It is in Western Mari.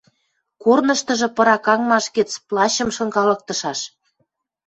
Корныштыжы пыракангмаш гӹц плащым шынгалыктышаш.